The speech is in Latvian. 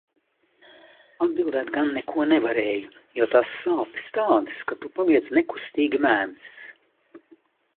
Atbildēt gan neko nevarēju, jo tās sāpes tādas, ka tu paliec nekustīgi mēms.